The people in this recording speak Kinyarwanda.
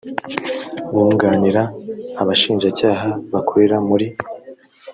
bunganira abashinjacyaha bakorera muri